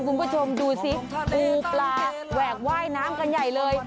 คุณผู้ชมดูสิปูปลาแหวกว่ายน้ำกันใหญ่เลย